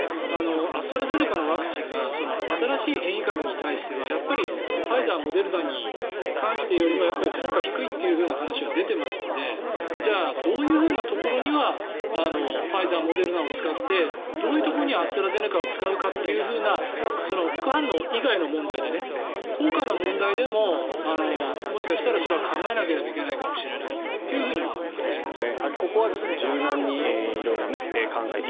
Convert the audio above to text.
アストラゼネカのワクチンが新しい変異株に対してはやっぱりファイザーモデルナに関してよりもやっぱり効果が低いという話が出ていますのでじゃあどういうふうなところにはファイザー、モデルナを使ってどういうところにはアストラゼネカを使うかというような副反応以外の問題で効果の問題でももしかしたらそれは考えなければいけないと思いますね。